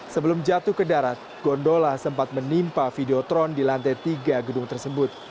sebelum jatuh ke darat gondola sempat menimpa videotron di lantai tiga gedung tersebut